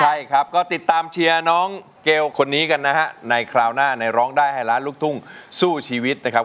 ใช่ครับก็ติดตามเชียร์น้องเกลคนนี้กันนะฮะในคราวหน้าในร้องได้ให้ล้านลูกทุ่งสู้ชีวิตนะครับ